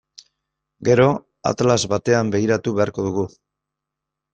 Gero atlas batean begiratu beharko dugu.